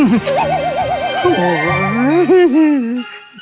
โอ้ย